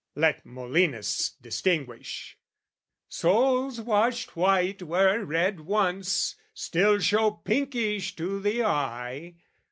Let Molinists distinguish, "Souls washed white "Were red once, still show pinkish to the eye!"